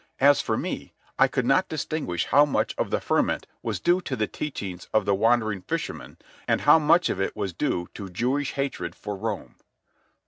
As for me, I could not distinguish how much of the ferment was due to the teachings of the wandering fisherman, and how much of it was due to Jewish hatred for Rome.